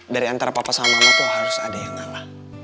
dari antara papa sama mama itu harus ada yang ngalah